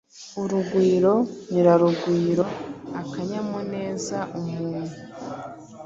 Urugwiro Nyirarugwiro:akanyamuneza umuntu